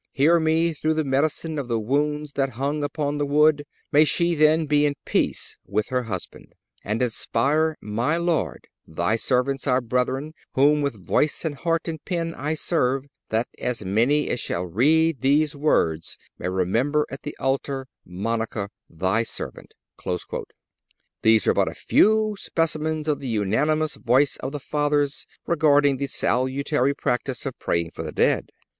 Hear me through the medicine of the wounds that hung upon the wood.... May she, then, be in peace with her husband.... And inspire, my Lord, ... Thy servants, my brethren, whom with voice and heart and pen I serve, that as many as shall read these words may remember at Thy altar, Monica, Thy servant...."(292) These are but a few specimens of the unanimous voice of the Fathers regarding the salutary practice of praying for the dead.